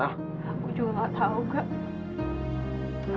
aku juga gak tau gak